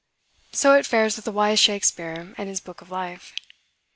So it fares with the wise Shakspeare and his book of life.